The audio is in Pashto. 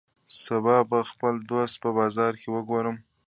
سبا به خپل دوست په بازار کی وګورم